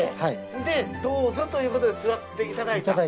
でどうぞということで座っていただいた。